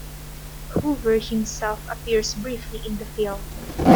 Hoover himself appears briefly in the film.